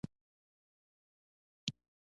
د کاناډا په لویدیځ کې ښارونه جوړ شول.